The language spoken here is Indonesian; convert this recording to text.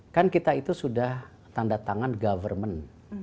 kan kita itu sudah tanda tangan government